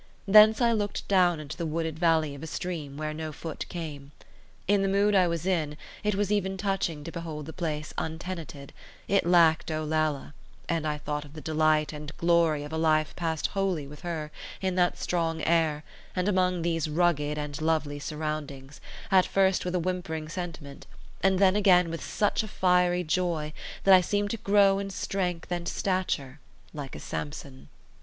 Thence I looked down into the wooded valley of a stream, where no foot came. In the mood I was in, it was even touching to behold the place untenanted; it lacked Olalla; and I thought of the delight and glory of a life passed wholly with her in that strong air, and among these rugged and lovely surroundings, at first with a whimpering sentiment, and then again with such a fiery joy that I seemed to grow in strength and stature, like a Samson.